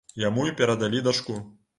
Яму і перадалі дачку.